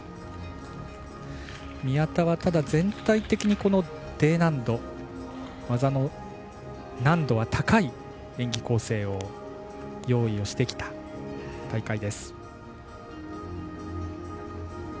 宮田は、全体的にＤ難度技の難度は高い演技構成を用意してきた大会です。